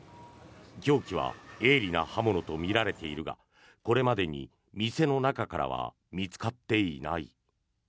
凶器は鋭利な刃物とみられているがこれまでに店の中からは見つかっていない。